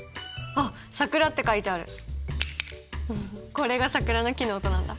これがサクラの木の音なんだ。